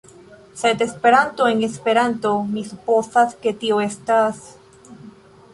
Sed Esperanto, en Esperanto mi supozas ke tio estas...